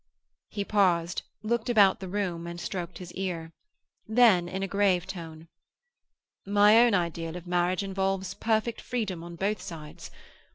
He paused, looked about the room, and stroked his ear. Then, in a grave tone,— "My own ideal of marriage involves perfect freedom on both sides.